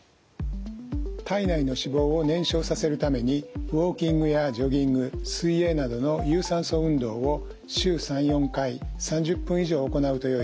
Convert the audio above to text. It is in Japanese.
体内の脂肪を燃焼させるためにウォーキングやジョギング水泳などの有酸素運動を週３４回３０分以上行うとよいです。